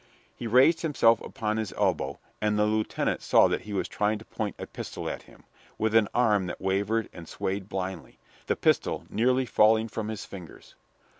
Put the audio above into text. He raised himself upon his elbow, and the lieutenant saw that he was trying to point a pistol at him, with an arm that wavered and swayed blindly, the pistol nearly falling from his fingers.